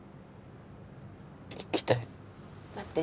行きたい待って